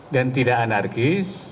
dan tidak anarkis